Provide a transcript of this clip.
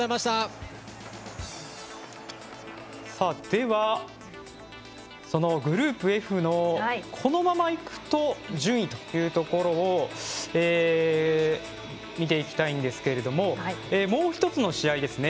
では、グループＦのこのままいくと順位というところを見ていきたいと思いますけれどももう一つの試合ですね。